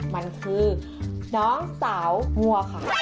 มันคือน้องสาวงัวค่ะ